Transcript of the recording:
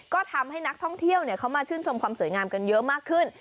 ก็ทำให้นักท่องเที่ยวเขามาชื่นชมความสวยงามกันเยอะมากขึ้น